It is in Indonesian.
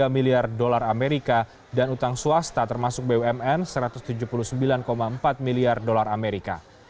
satu ratus delapan puluh satu tiga miliar dolar as dan utang swasta termasuk bumn satu ratus tujuh puluh sembilan empat miliar dolar as